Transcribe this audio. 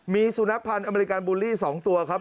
มีสูญนะคะพันธุ์อเมริกานบุรี๒ตัวครับ